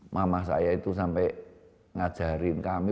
mama saya itu sampai ngajarin kami